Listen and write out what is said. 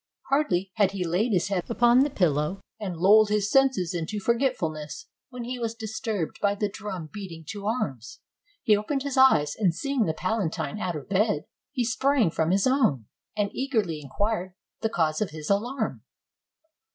Hardly had he laid his head upon the pillow, and "lulled his senses in forgetfulness," when he was disturbed by the drum beating to arms. He opened his eyes, and seeing the palatine out of bed, he sprang from his own, and eagerly inquired the cause of his alarm.